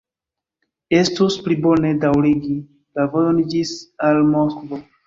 Estus pli bone daŭrigi la vojon ĝis al Moskvo!